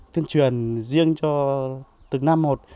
tuyên truyền riêng cho từng năm một